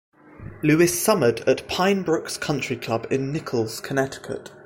Lewis summered at Pine Brook Country Club in Nichols, Connecticut.